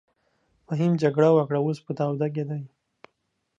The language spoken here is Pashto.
فهيم جګړه وکړه اوس په تاوده کښی دې.